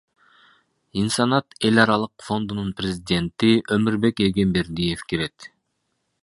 Инсанат эл аралык фондунун президенти Өмурбек Эгембердиев кирет.